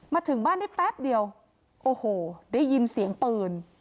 มาถึงบ้านได้แป๊บเดียวโอ้โหได้ยินเสียงปืน